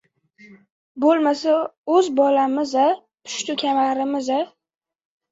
Bo‘lmasa, o‘z bolamiz-a, pushtu kamarimiz-a!